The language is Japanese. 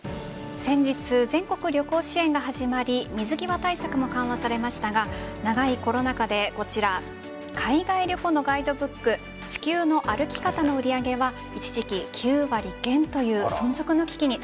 先日、全国旅行支援が始まり水際対策も緩和されましたが長いコロナ禍で海外旅行のガイドブック「地球の歩き方」の売り上げは一時期９割減という存続の危機に。